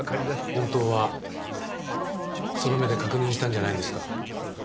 本当はその目で確認したんじゃないんですか？